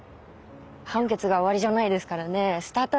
判決が終わりじゃないですからねスタートラインだからね。